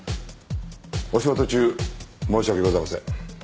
お仕事中申し訳ございません。